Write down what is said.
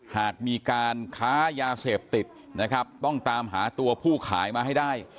หากมีการค้ายาเสพติดนะครับต้องตามหาตัวผู้ขายมาให้ได้